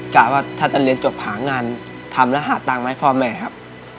กะว่าถ้าจะเรียนจบหางานทำแล้วหาตังค์มาให้พ่อแม่ครับ